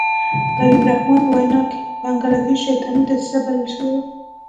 د حبیب الرحمن په وینا کې بنګله دېش شیطاني دسیسه بلل شوې وه.